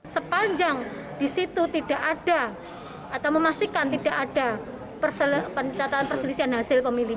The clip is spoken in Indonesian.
sepanjang di situ tidak ada atau memastikan tidak ada pencatatan perselisihan hasil pemilih